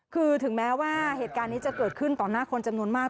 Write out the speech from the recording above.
คือถึงแม้ว่าเหตุการณ์นี้จะเกิดขึ้นต่อหน้าคนจำนวนมาก